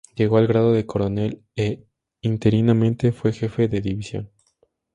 Llegó al grado de coronel e interinamente fue jefe de una división.